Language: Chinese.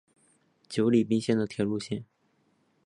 久里滨线的铁路线。